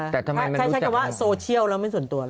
แต่ใช้คำว่าโซเชียลแล้วไม่ส่วนตัวหรอ